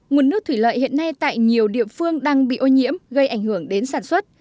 nguồn nước thủy lợi hiện nay tại nhiều địa phương đang bị ô nhiễm gây ảnh hưởng đến sản xuất